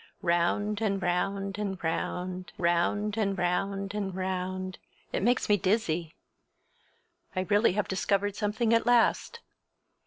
Round and round and round—round and round and round—it makes me dizzy! I really have discovered something at last.